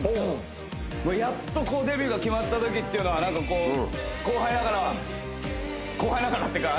やっとこうデビューが決まったときっていうのはなんかこう後輩ながら後輩ながらっていうか